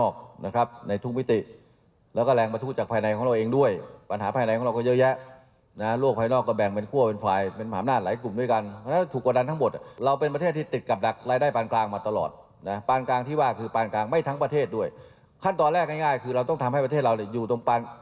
ขั้นตอนแรกง่ายคือเราต้องทำให้ประเทศเราอยู่ตรงปาน